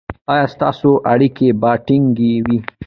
ایا ستاسو اړیکې به ټینګې وي؟